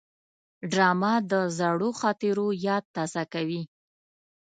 ډرامه د زړو خاطرو یاد تازه کوي